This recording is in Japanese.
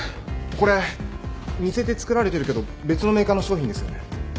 これ似せて作られてるけど別のメーカーの商品ですよね？